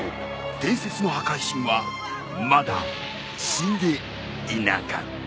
伝説の破壊神はまだ死んでいなかった。